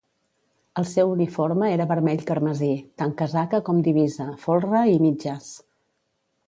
El seu uniforme era vermell carmesí, tant casaca com divisa, folre i mitges.